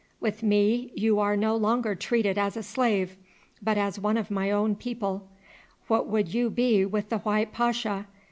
With me you are no longer treated as a slave, but as one of my own people. What would you be with the white pasha?